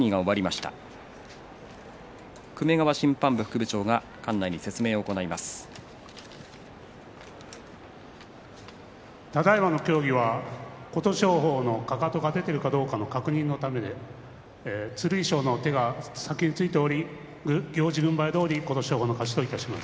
ただいまの協議は琴勝峰のかかとが出ているかどうかの確認のためで剣翔の手が先についており行司軍配どおり琴勝峰の勝ちとします。